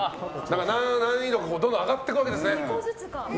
難易度がどんどん上がっていくわけですね。